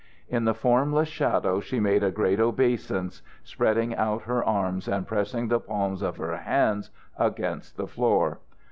In the formless shadow she made a great obeisance, spreading out her arms and pressing the palms of her hands against the floor.